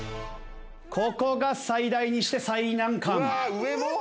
ここが最大にして最難関。